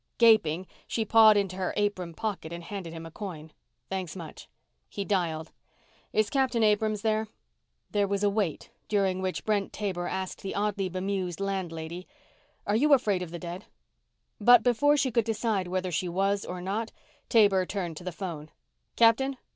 Gaping, she pawed into her apron pocket and handed him a coin. "Thanks much." He dialed. "Is Captain Abrams there?" There was a wait, during which Brent Taber asked the oddly bemused landlady: "Are you afraid of the dead?" But before she could decide whether she was or not, Taber turned to the phone. "Captain?....